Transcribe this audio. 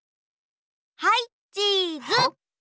はいチーズ。